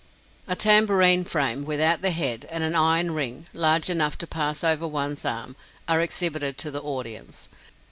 A tambourine frame, without the head, and an iron ring, large enough to pass over one's arm, are exhibited to the audience.